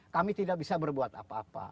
kami tidak bisa berbuat apa apa